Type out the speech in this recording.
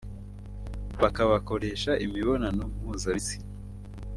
bakabakoresha imibonano mpuzabitsina